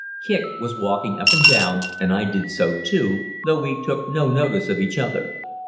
Kicq was walking up and down, and I did so too, though we took no notice of each other.